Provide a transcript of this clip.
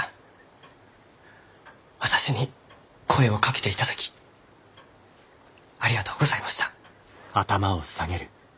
私に声をかけていただきありがとうございました。